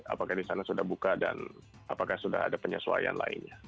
apakah di sana sudah buka dan apakah sudah ada penyesuaian lainnya